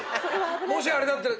もしあれだったら。